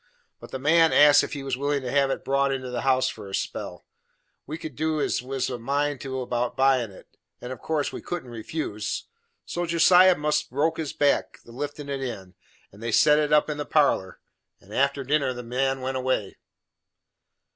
But the man asked if we was willin' to have it brought into the house for a spell we could do as we was a mind to about buyin' it; and of course we couldn't refuse, so Josiah most broke his back a liftin' it in, and they set it up in the parlor, and after dinner the man went away.